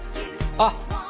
あっ！